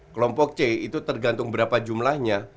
kelompok c itu tergantung berapa jumlahnya